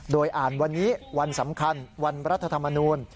โดยอ่านวันนี้วันสำคัญวันรัฐธรรมนูล